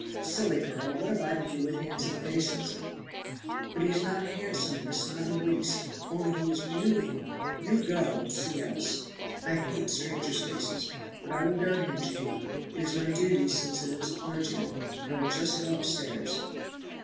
"Silly girl, what have I to do with handsome faces?" "But he is not handsome, miss, not in the least, only he is beautiful. You go and see else." "I hate strangers' faces, but I will go to him, Jane; it is my duty, since it is a clergyman. I will just go upstairs."